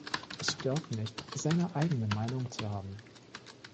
Es stört nicht, seine eigene Meinung zu haben.